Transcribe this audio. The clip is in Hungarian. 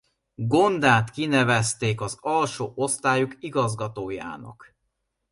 Gondát kinevezték az alsó osztályok igazgatójának.